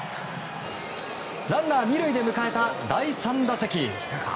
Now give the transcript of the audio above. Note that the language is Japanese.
ランナー２塁で迎えた第３打席。